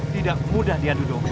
tidak mudah diadu domba